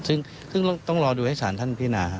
ซึ่งต้องรอดูให้สารท่านพินา